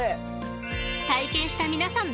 ［体験した皆さん］